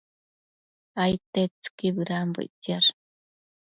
Aidtetsëqui bëdambo ictsiash